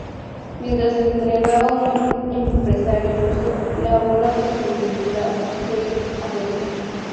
Mientras entrenaba un empresario ruso le habló la posibilidad de ir a Rusia.